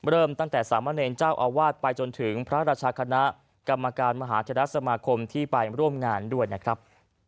เริ่มตั้งแต่สามะเนรเจ้าอาวาสไปจนถึงพระราชคณะกรรมการมหาเทรสมาคมที่ไปร่วมงานด้วยนะครับ